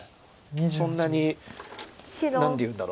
そんなに何ていうんだろ。